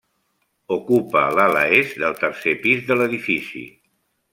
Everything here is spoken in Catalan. Ocupa l'ala est del tercer pis de l'edifici.